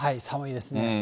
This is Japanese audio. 寒いですね。